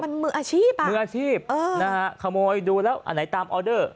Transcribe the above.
มันมืออาชีพอ่ะมืออาชีพเออนะฮะขโมยดูแล้วอันไหนตามออเดอร์